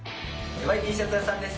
ヤバイＴシャツ屋さんです。